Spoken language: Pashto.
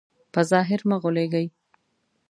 په ظاهر مه غولېږئ.